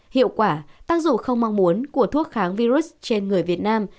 hiệu quả tác dụng không mong muốn của thuốc kháng virus trên người việt nam